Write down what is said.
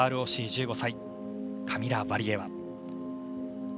ＲＯＣ、１５歳カミラ・ワリエワ。